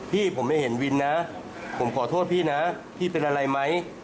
พี่ผมไม่เห็นวินนะผมขอโทษพี่นะพี่เป็นอะไรไหม